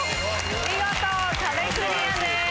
見事壁クリアです。